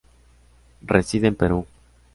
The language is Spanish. Reside en Perú.